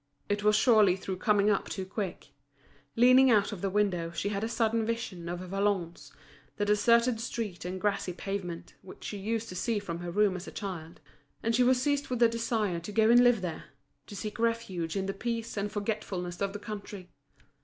It was surely through coming up too quick. Leaning out of the window she had a sudden vision of Valognes, the deserted street and grassy pavement, which she used to see from her room as a child; and she was seized with a desire to go and live there—to seek refuge in the peace and forgetfulness of the country.